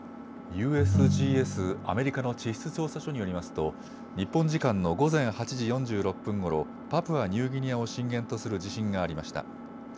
ＵＳＧＳ・アメリカの地質調査所によりますと日本時間の午前８時４６分ごろ、パプアニューギニアを震源とする地震がありました。